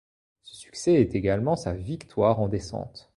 Ce succès est également sa victoire en descente.